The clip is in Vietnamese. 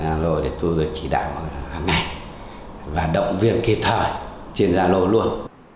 gia lô để tôi chỉ đạo hàng ngày và động viên kỳ thời trên gia lô luôn